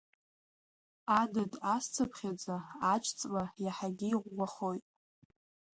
Адыд асцыԥхьаӡа аџьҵла, иаҳагьы иӷәӷәахоит.